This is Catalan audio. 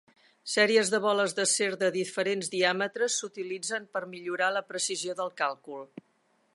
Sèries de boles d’acer de diferents diàmetres s’utilitzen per millorar la precisió del càlcul.